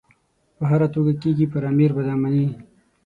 په هره توګه کېږي پر امیر به دا مني.